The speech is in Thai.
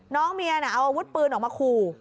น้องเมียน่ะเอาอาวุธปืนออกมาขู่